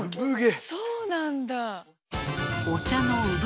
そうなんだ。